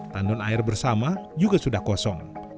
tandun air bersama juga sudah kosong